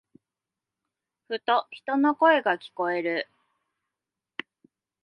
ふと、人の声が聞こえる。